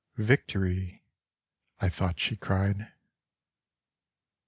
Victory! I thought she cried.